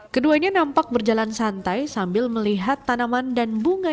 keduanya nampak berjalan santai sambil melihat tanaman dan bunga